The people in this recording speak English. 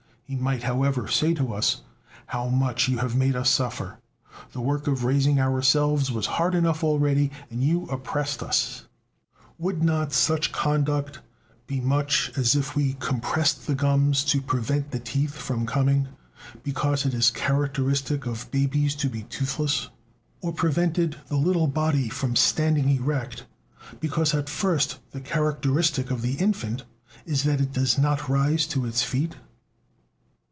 He might, however, say to us: "How much you have made us suffer! The work of raising ourselves was hard enough already, and you oppressed us." Would not such conduct be much as if we compressed the gums to prevent the teeth from coming, because it is characteristic of babies to be toothless, or prevented the little body from standing erect, because at first the characteristic of the infant is that it does not rise to its feet?